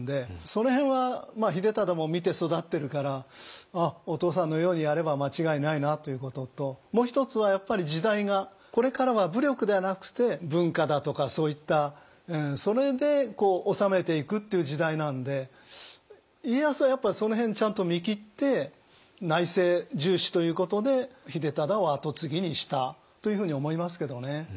その辺は秀忠も見て育ってるからお父さんのようにやれば間違いないなということともう一つはやっぱり時代がこれからは武力ではなくて文化だとかそういったそれで治めていくっていう時代なんで家康はやっぱりその辺ちゃんと見切って内政重視ということで秀忠を跡継ぎにしたというふうに思いますけどね。